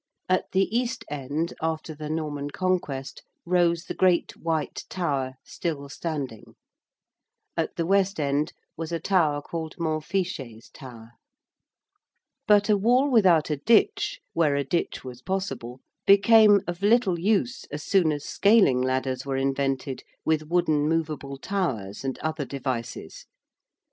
At the East End after the Norman Conquest rose the Great White Tower still standing. At the West End was a tower called Montfichet's Tower. [Illustration: PART OF THE ROMAN WALL AT LEICESTER.] But a wall without a ditch, where a ditch was possible, became of little use as soon as scaling ladders were invented with wooden movable towers and other devices.